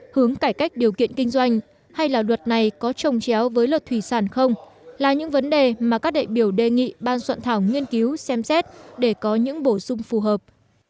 hướng cải cách điều kiện kinh doanh hay là luật này có trồng chéo với luật thủy sản không là những vấn đề mà các đại biểu đề nghị ban soạn thảo nghiên cứu xem xét để có những bổ sung phù hợp